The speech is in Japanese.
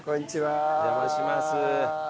お邪魔します。